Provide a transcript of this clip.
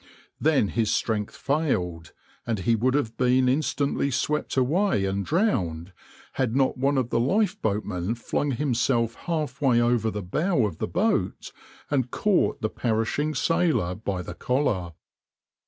Then his strength failed, and he would have been instantly swept away and drowned, had not one of the lifeboatmen flung himself half way over the bow of the boat and caught the perishing sailor by the collar.